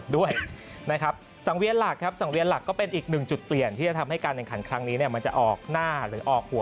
ด้วยนะครับสังเวียสหลักครับสังเวียสหลักก็เป็นอีกหนึ่งจุดเปลี่ยนที่จะทำให้การกันครังนี้ตามมาจะออกหน้าก